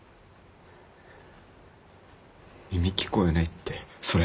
耳聞こえないってそれ。